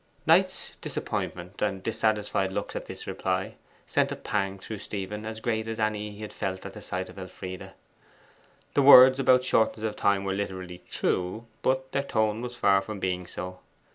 Knight's disappointment and dissatisfied looks at this reply sent a pang through Stephen as great as any he had felt at the sight of Elfride. The words about shortness of time were literally true, but their tone was far from being so.